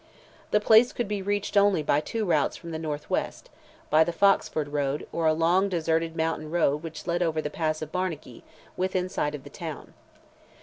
The place could be reached only by two routes from the north west, by the Foxford road, or a long deserted mountain road which led over the pass of Barnagee, within sight of the town.